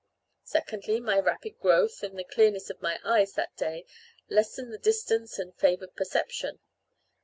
Secondly, my rapid growth and the clearness of my eyes that day lessened the distance and favoured perception.